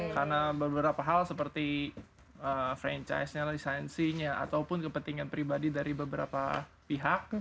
karena beberapa hal seperti franchise nya resiensinya ataupun kepentingan pribadi dari beberapa pihak